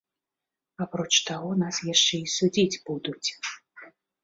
Апроч таго нас яшчэ і судзіць будуць.